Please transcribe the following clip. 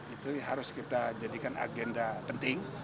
itu harus kita jadikan agenda penting